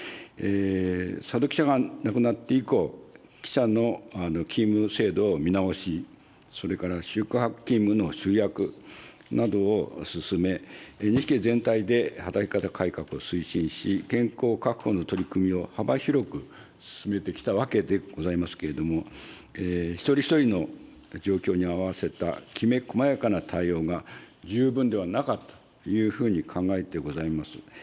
佐戸記者が亡くなって以降、記者の勤務制度を見直し、それから宿泊勤務の集約などを進め、ＮＨＫ全体で働き方改革を推進し、健康確保の取り組みを幅広く進めてきたわけでございますけれども、一人一人の状況に合わせた、きめこまやかな対応が十分ではなかったというふうに考えてございます。